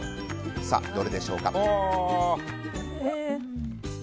さあ、どれでしょうか。